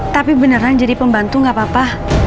tapi beneran jadi pembantu gak apa apa